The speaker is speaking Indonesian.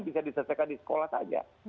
bisa diselesaikan di sekolah saja